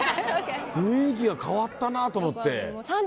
雰囲気が変わったなと思って。